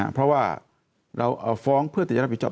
เพราะว่าเราฟ้องเพื่อที่จะรับผิดชอบ